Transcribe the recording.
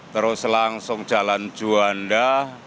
terus langsung jalan juanda